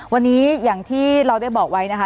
วันนี้อย่างที่เราได้บอกไว้นะคะ